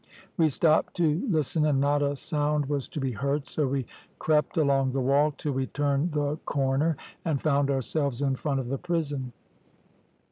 We stopped to listen, and not a sound was to be heard, so we crept along the wall till we turned the corner, and found ourselves in front of the prison.